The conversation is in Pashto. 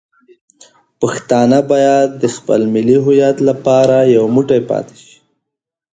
پښتانه باید د خپل ملي هویت لپاره یو موټی پاتې شي.